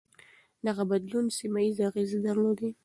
دغه بدلون سيمه ييز اغېز درلود.